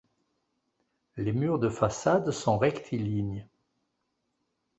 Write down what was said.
Les murs de façade sont rectilignes.